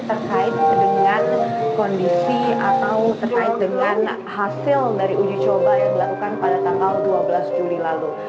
terkait dengan kondisi atau terkait dengan hasil dari uji coba yang dilakukan pada tanggal dua belas juli lalu